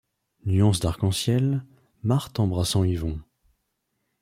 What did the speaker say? Nuance d'arc-en-ciel, Marthe embrassant Yvon